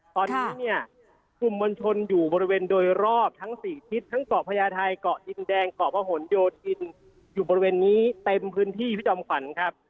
ตอนนี้เนี่ยกลุ่มมวลชนอยู่บริเวณโดยรอบทั้ง๔ทิศทั้งเกาะพญาไทยเกาะดินแดงเกาะพะหนโยธินอยู่บริเวณนี้เต็มพื้นที่พี่จอมขวัญครับ